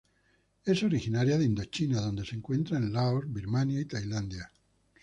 Es originaria de Indochina donde se encuentra en Laos, Birmania y Tailandia.